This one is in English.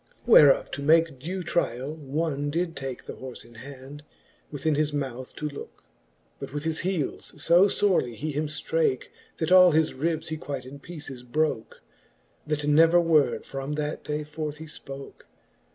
Whereof to make due tryall, one did take The horfe in hand, within his mouth to lookej But with his heeles fo fbrely he him ftrake, That all his ribs he quite in peeces broke, That never word from that day forth he ipoke.